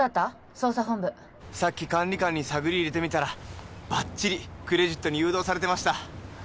捜査本部さっき管理官に探り入れてみたらバッチリクレジットに誘導されてました